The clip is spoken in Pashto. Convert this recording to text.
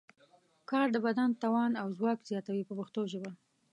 کار د بدن توان او ځواک زیاتوي په پښتو ژبه.